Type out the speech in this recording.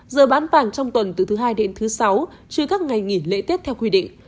giờ bán vàng trong tuần từ thứ hai đến thứ sáu chứ các ngày nghỉ lễ tết theo quy định